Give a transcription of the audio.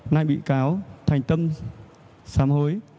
nên bị cáo thành tâm xám hối